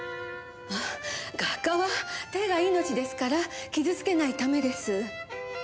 画家は手が命ですから傷つけないためです。